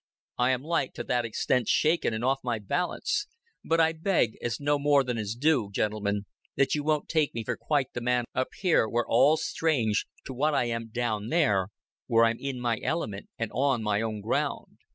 I am like to that extent shaken and off my balance; but I beg, as no more than is due, gentlemen, that you won't take me for quite the man up here, where all's strange, to what I am down there, where I'm in my element and on my own ground.